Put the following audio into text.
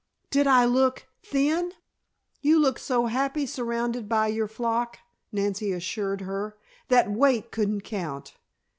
Did I look thin?" "You looked so happy surrounded by your flock," Nancy assured her, "that weight couldn't count.